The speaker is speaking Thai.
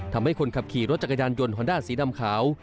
ทำให้คนขับขี่รถจักรยานยนต์ฮอนด้าสีดำขาว